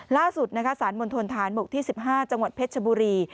ล่าสุดสารมณฑนฐานบกที่๑๕จังหวัดเพชรชบุรี